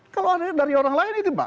kalau ada dari orang lain itu pak